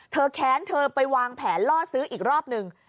แค้นเธอไปวางแผนล่อซื้ออีกรอบหนึ่ง